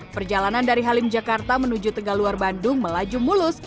perjalanan dari halim jakarta menuju tegaluar bandung melaju mulus